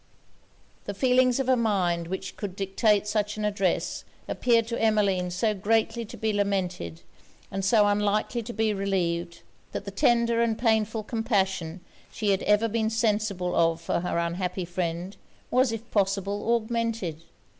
The feelings of a mind which could dictate such an address, appeared to Emmeline so greatly to be lamented, and so unlikely to be relieved, that the tender and painful compassion she had ever been sensible of for her unhappy friend, was if possible augmented.